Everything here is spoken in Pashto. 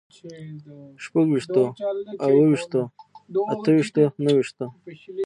شپږ ويشتو، اووه ويشتو، اته ويشتو، نهه ويشتو